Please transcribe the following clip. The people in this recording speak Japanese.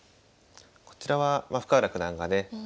こちらは深浦九段がね